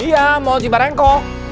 iya mau di barengko